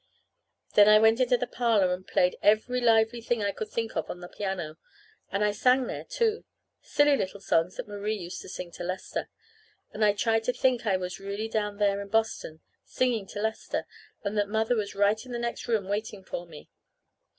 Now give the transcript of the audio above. Then I went into the parlor and played every lively thing that I could think of on the piano. And I sang there, too silly little songs that Marie used to sing to Lester. And I tried to think I was really down there to Boston, singing to Lester; and that Mother was right in the next room waiting for me.